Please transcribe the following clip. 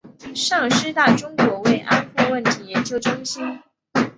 上师大中国慰安妇问题研究中心